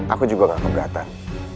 aku juga gak keberatan